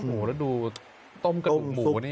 หมูระดูต้มกับหมูนี่